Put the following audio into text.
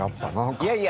いやいや。